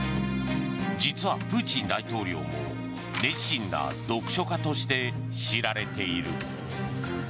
実はプーチン大統領も、熱心な読書家として知られている。